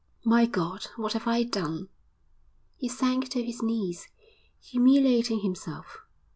'My God! what have I done?' He sank to his knees, humiliating himself.